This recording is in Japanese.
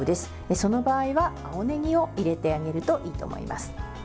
その場合は青ねぎを入れてあげるといいと思います。